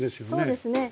そうですね。